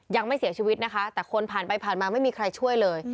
ยังไม่เสียชีวิตนะคะแต่คนผ่านไปผ่านมาไม่มีใครช่วยเลย